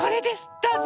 どうぞ。